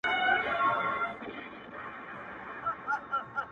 نکرځي چي تر اختر تېري سي، بايد چي پر دېوال ووهل سي.